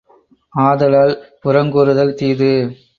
ஆதலால் புறங்கூறுதல் தீது.